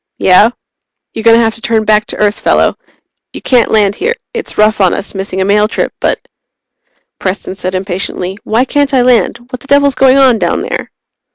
"Yeah?" "You're going to have to turn back to Earth, fellow. You can't land here. It's rough on us, missing a mail trip, but " Preston said impatiently, "Why can't I land? What the devil's going on down there?"